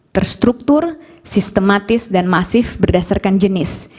terstruktur sistematis dan masif berdasarkan jenis